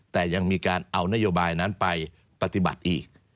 แต่ยังมีการเอานโยบายนั้นไปปฏิบัติอีก